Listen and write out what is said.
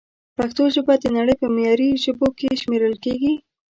پښتو ژبه د نړۍ په معياري ژبو کښې شمېرل کېږي